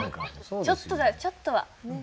ちょっとはちょっとは。